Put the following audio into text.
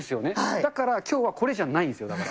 だから、きょうはこれじゃないですよ、だから。